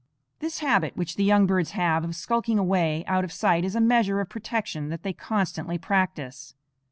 This habit which the young birds have of skulking away out of sight is a measure of protection that they constantly practise.